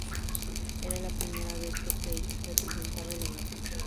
Era la primera vez que Cage le presentaba el honor.